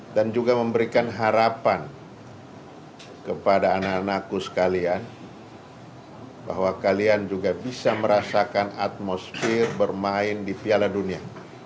dan juga memberikan harapan kepada anak anakku sekalian bahwa kalian juga bisa merasakan atmosfer bermain di piala dunia